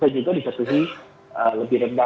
dan juga dijatuhi lebih rendah